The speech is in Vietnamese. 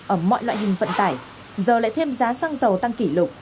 ở mọi loại hình vận tải giờ lại thêm giá xăng dầu tăng kỷ lục